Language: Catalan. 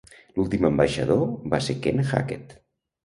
L'últim ambaixador va ser Ken Hackett.